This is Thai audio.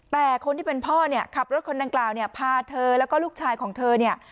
แต่คนที่เป็นพ่อเนี่ยขับรถคนดังกล่าวเนี่ยพาเธอแล้วก็ลูกชายของเธอเนี่ย